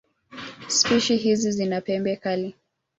Spishi hizi zina pembe kali.